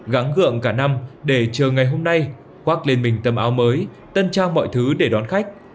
gáng gượng cả năm để chờ ngày hôm nay khoác lên mình tầm áo mới tân trang mọi thứ để đón khách